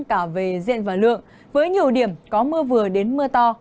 cả về diện và lượng với nhiều điểm có mưa vừa đến mưa to